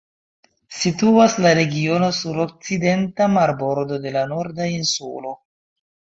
Situas la regiono sur okcidenta marbordo de la Norda Insulo.